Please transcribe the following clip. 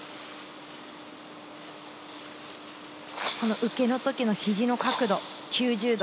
受けの時のひじの角度９０度。